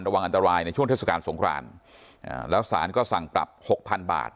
วางอันตรายในช่วงเทศกาลสงครานแล้วสารก็สั่งปรับหกพันบาท